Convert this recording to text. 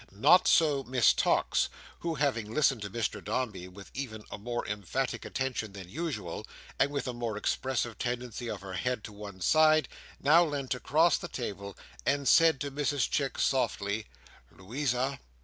Not so Miss Tox, who, having listened to Mr Dombey with even a more emphatic attention than usual, and with a more expressive tendency of her head to one side, now leant across the table, and said to Mrs Chick softly: "Louisa!"